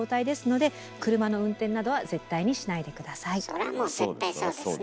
そらもう絶対そうですね。